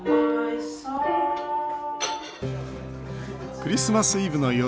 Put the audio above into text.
クリスマスイブの夜。